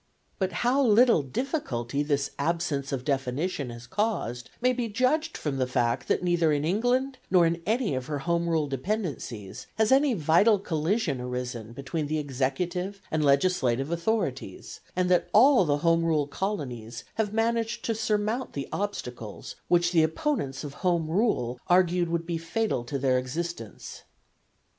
But how little difficulty this absence of definition has caused may be judged from the fact that neither in England nor in any of her home rule dependencies has any vital collision arisen between the executive and legislative authorities, and that all the home rule colonies have managed to surmount the obstacles which the opponents of Home Rule argued would be fatal to their existence.